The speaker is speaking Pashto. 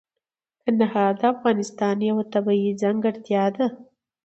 کندهار د افغانستان یوه طبیعي ځانګړتیا ده.